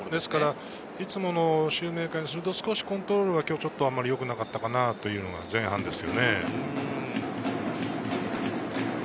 いつものシューメーカーからすると、コントロールがあまりよくなかったかなという前半です。